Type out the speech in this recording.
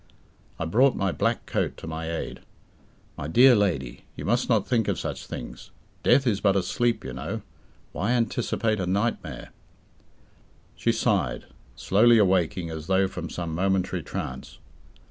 I brought my black coat to my aid. "My dear lady, you must not think of such things. Death is but a sleep, you know. Why anticipate a nightmare?" She sighed, slowly awaking as though from some momentary trance.